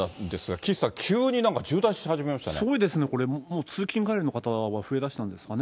岸さん、急になんか、渋滞し始めすごいですね、これ、もう通勤帰りの方が増えだしたんですかね。